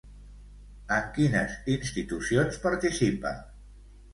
En quines institucions participa?